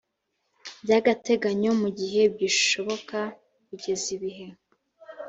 by agateganyo mu gihe bigishoboka kugeza igihe